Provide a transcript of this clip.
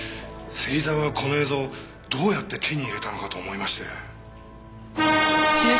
芹沢はこの映像をどうやって手に入れたのかと思いまして。